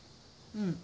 うん。